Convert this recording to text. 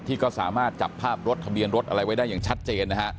ที่ก็สามารถจับภาพรถทะเบียนรถอะไรไว้ได้อย่างชัดเจนนะฮะ